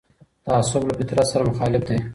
تعصب له فطرت سره مخالف دی